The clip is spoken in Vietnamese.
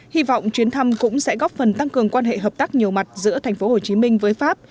hy vọng chuyến thăm cũng sẽ góp phần tăng cường quan hệ hợp tác nhiều mặt giữa tp hcm với pháp